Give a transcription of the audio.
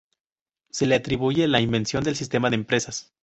Se le atribuye la invención del sistema de empresas.